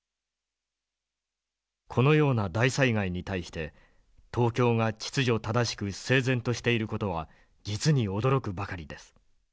「このような大災害に対して東京が秩序正しく整然としている事は実に驚くばかりです。